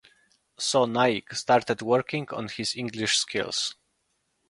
So Naik started working on his English skills.